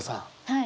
はい。